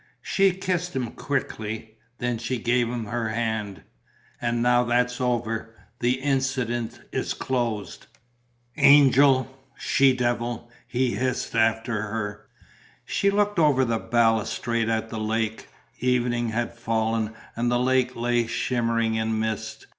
She kissed him quickly. Then she gave him her hand: "And now that's over. The incident is closed." "Angel! She devil!" he hissed after her. She looked over the balustrade at the lake. Evening had fallen and the lake lay shimmering in mist.